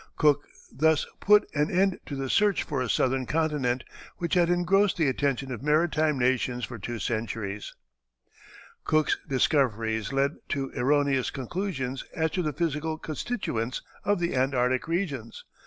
Cook thus "put an end to the search for a southern continent, which had engrossed the attention of maritime nations for two centuries." [Illustration: Charles Wilkes. (From a portrait by T. Sully.)] Cook's discoveries led to erroneous conclusions as to the physical constituents of the Antarctic regions.